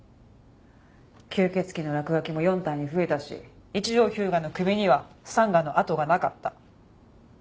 吸血鬼の落書きも４体に増えたし一条彪牙の首にはスタンガンの痕がなかった。